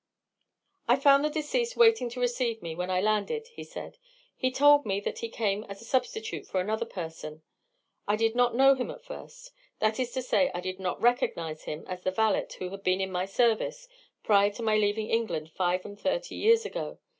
"I found the deceased waiting to receive me when I landed," he said. "He told me that he came as a substitute for another person. I did not know him at first—that is to say, I did not recognize him as the valet who had been in my service prior to my leaving England five and thirty years ago.